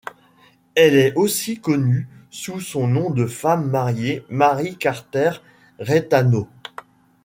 Elle est aussi connue sous son nom de femme mariée, Mary Carter-Reitano.